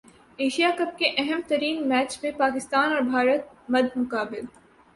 Asia cup کے اہم ترین میچ میں پاکستان اور بھارت مد مقابل